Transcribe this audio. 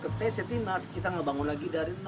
ketika menang kemudian menang